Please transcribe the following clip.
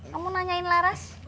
kamu nanyain laras